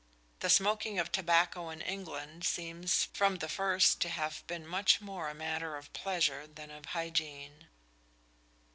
The smoking of tobacco in England seems from the first to have been much more a matter of pleasure than of hygiene.